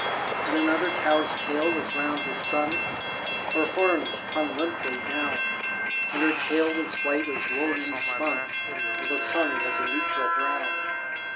And another cow's tail was round the sun (Her horns hung limply down); And her tail was white as wool new spun, And the sun was a neutral brown.